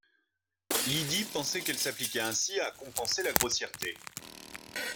Lydie pensait qu’elle s’appliquait ainsi à compenser la grossièreté